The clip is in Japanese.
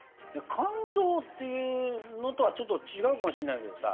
感動っていうのとはちょっと違うかもしれないけどさ。